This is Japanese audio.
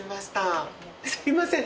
すいません。